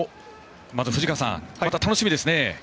まず藤川さん、楽しみですね。